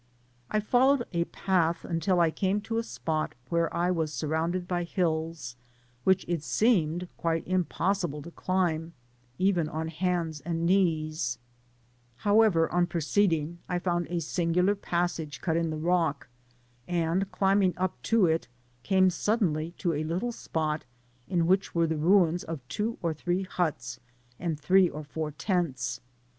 I followed a path until I came to a spot where I was surrounded by hills, which it seemed quite impossible to climb even on hands and knees; however, on proceeding, I found a sin gular passage cut in the rock, and climbing up to Digitized byGoogk THE OBBAT COBPII^LEBA. 13$ it» came suddenly to a little spot» in which wer^ the ruins of two ot three huts, and three pr four tents.